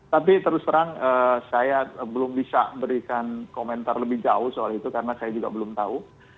tapi terus terang saya belum bisa berikan komentar lebih jauh soal itu karena saya juga belum tahu